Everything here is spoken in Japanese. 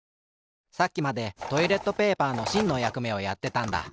さっきまでトイレットペーパーのしんのやくめをやってたんだ。